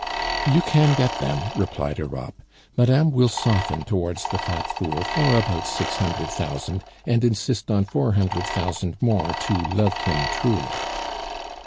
"You can get them," replied Europe. "Madame will soften towards the fat fool for about six hundred thousand, and insist on four hundred thousand more to love him truly!"